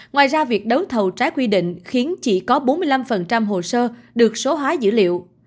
ngoài ra việc đấu thầu trái quy định khiến chỉ có bốn mươi năm hồ sơ được số hóa dữ liệu